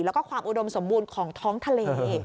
แล้วก็ความอุดมสมบูรณ์ของท้องทะเล